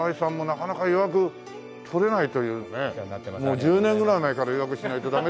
もう１０年ぐらい前から予約しないとダメだって。